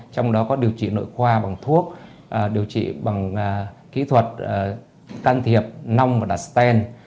trong đó có điều trị nội khoa bằng thuốc điều trị bằng kỹ thuật can thiệp nong và đặt sten